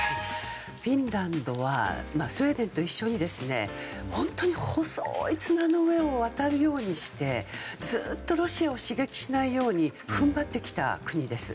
フィンランドはスウェーデンと一緒に本当に細い綱の上を渡るようにしてずっとロシアを刺激しないように踏ん張ってきた国です。